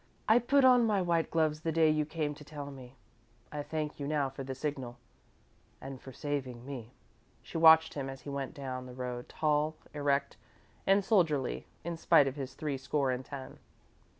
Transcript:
"I put on my white gloves the day you came to tell me. I thank you now for the signal and for saving me." She watched him as he went down the road, tall, erect, and soldierly, in spite of his three score and ten.